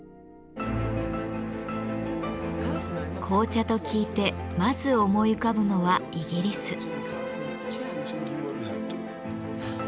紅茶と聞いてまず思い浮かぶのはイギリス。